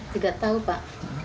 tidak tahu pak